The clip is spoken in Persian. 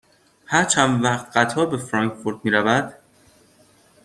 هر چند وقت قطار به فرانکفورت می رود؟